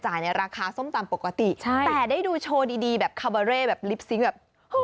ในราคาส้มตำปกติใช่แต่ได้ดูโชว์ดีดีแบบคาบาเร่แบบลิปซิงค์แบบ